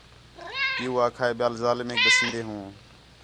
پِیؤ آکھا ہِے ٻِیال ظالمیک ݙسین٘دے ہوں